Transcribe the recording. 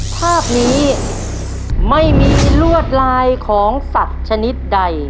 ภาพนี้ไม่มีลวดลายของสัตว์ชนิดใด